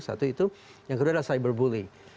satu itu yang kedua adalah cyber bully